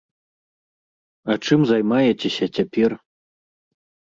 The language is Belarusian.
А чым займаецеся цяпер?